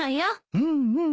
うんうん。